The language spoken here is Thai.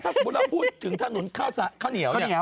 ถ้าสมมติถนนข้าวเหนียวเนี่ย